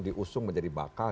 diusung menjadi bakal